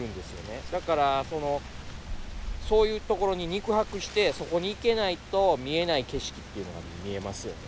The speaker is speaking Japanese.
だからそのそういうところに肉薄してそこに行けないと見えない景色っていうのが見えますよね。